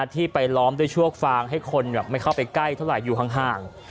ที่ไปล้อมด้วยชัวฟางให้คนไม่เข้าไปใกล้เท่าไหร่อยู่ห่าง